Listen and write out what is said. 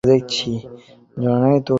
জানেনই তো কাজ করছে না।